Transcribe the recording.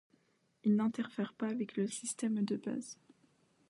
Il n'interfère pas avec le système de base.